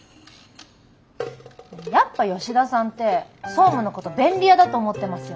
やっぱ吉田さんって総務のこと便利屋だと思ってますよね？